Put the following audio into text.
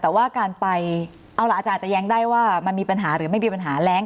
แต่ว่าการไปเอาล่ะอาจารย์จะแย้งได้ว่ามันมีปัญหาหรือไม่มีปัญหาแรง